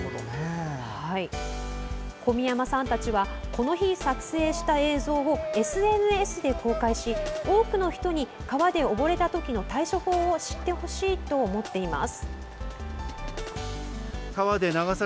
小宮山さんたちはこの日、撮影した映像をＳＮＳで公開し、多くの人に川で溺れたときの対処法を知ってほしいと思っています。